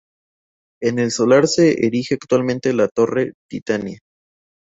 En el solar se erige actualmente la Torre Titania.